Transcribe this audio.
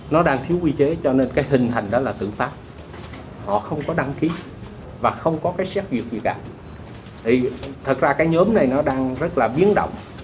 nó đang thiếu quy chế cho nên cái hình hành đó là tự phát họ không có đăng ký và không có cái xét nghiệm gì cả thì thật ra cái nhóm này nó đang rất là biến động